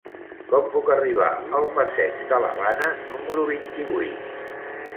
Com puc arribar al passeig de l'Havana número vint-i-vuit?